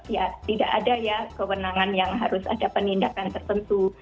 ya tidak ada ya kewenangan yang harus ada penindakan tertentu